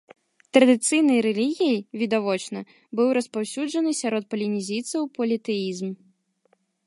Традыцыйнай рэлігіяй, відавочна, быў распаўсюджаны сярод палінезійцаў політэізм.